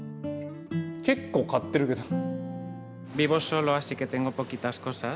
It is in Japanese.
結構買ってるけど。